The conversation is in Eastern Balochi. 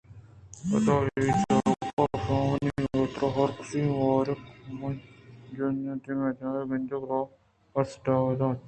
پدا اے جاگہ ءَپہ آوانی حاترا ہرکسی مُورک مجُینتگ اَت ءُمئے گندگ ءَ راہ اش تاب دات اَنت